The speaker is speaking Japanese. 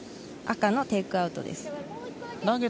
赤のテイクアウトです。